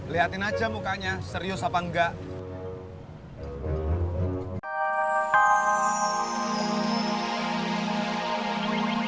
lihatin aja mukanya serius apa enggak